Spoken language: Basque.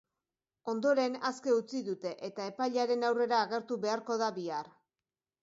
Ondoren, aske utzi dute eta epailearen aurrera agertu beharko da bihar.